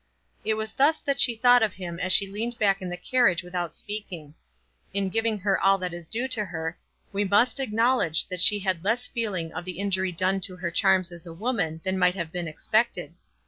It was thus that she thought of him as she leaned back in the carriage without speaking. In giving her all that is due to her, we must acknowledge that she had less feeling of the injury done to her charms as a woman than might have been expected.